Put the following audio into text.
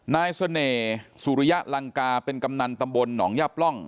นายเสน่ห์สุริยะลังกาเป็นกำนันตำบลหนองย่าปล่อง